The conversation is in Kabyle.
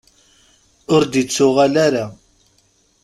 Ur d-ittuɣal ara.